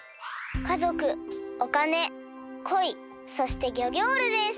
「かぞくおかねこいそしてギョギョールです！」。